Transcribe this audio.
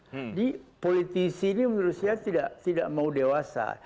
jadi politisi ini menurut saya tidak mau dewasa